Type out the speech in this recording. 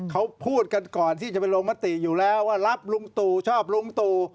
เขาพูดกันก่อนที่จะไปลงมติอยู่แล้วว่ารับลุงตู่ชอบลุงตู่